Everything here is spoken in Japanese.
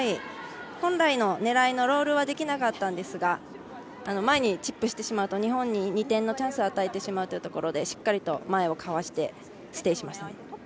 本来の狙いのロールはできなかったんですが前にチップしてしまうと日本に２点のチャンスを与えてしまうというところでしっかりと前をかわしてステイしましたね。